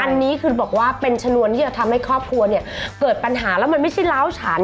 อันนี้คือบอกว่าเป็นชนวนที่จะทำให้ครอบครัวเนี่ยเกิดปัญหาแล้วมันไม่ใช่ล้าวฉัน